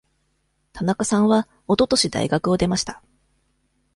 田中さんはおととし大学を出ました。